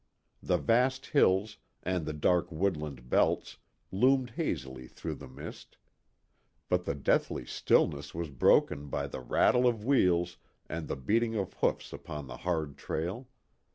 The vast hills, and the dark woodland belts, loomed hazily through the mist. But the deathly stillness was broken by the rattle of wheels and the beating of hoofs upon the hard trail.